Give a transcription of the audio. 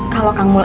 kalau kang mul